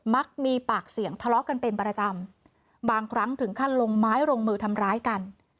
มักมีปากเสียงทะเลาะกันเป็นประจำบางครั้งถึงขั้นลงไม้ลงมือทำร้ายกัน